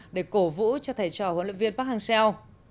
để cổ vũ cho thầy trò huấn luyện viên park hang seo